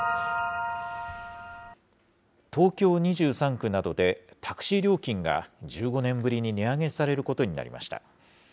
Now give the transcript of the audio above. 東京２３区などで、タクシー料金が１５年ぶりに値上げされることになりました。